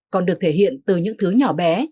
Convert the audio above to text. còn được thể hiện từ những thứ nhỏ bé